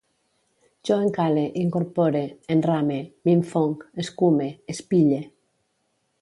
Jo encanale, incorpore, enrame, m'infonc, escume, espille